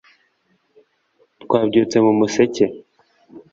twabyutse mu museke